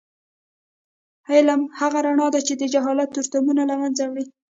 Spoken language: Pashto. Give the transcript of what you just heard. علم هغه رڼا ده چې د جهالت تورتمونه له منځه وړي.